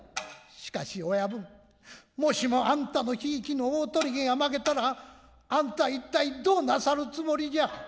しかし親分もしもあんたの贔屓の鳳毛が負けたらあんた一体どうなさるつもりじゃ」。